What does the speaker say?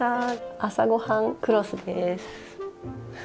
「朝ごはんクロス」です。